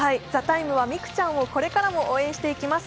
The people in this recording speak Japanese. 「ＴＨＥＴＩＭＥ，」は美空ちゃんをこれからも応援していきます。